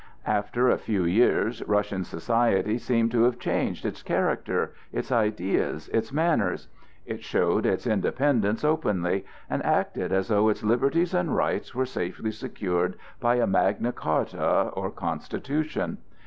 After a few years Russian society seemed to have changed its character, its ideas, its manners; it showed its independence openly, and acted as though its liberties and rights were safely secured by a magna charta or constitution.